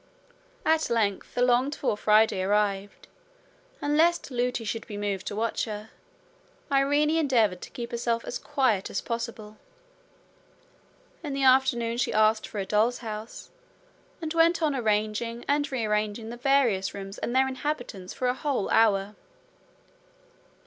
At length the longed for Friday arrived, and lest Lootie should be moved to watch her, Irene endeavoured to keep herself as quiet as possible. In the afternoon she asked for her doll's house, and went on arranging and rearranging the various rooms and their inhabitants for a whole hour.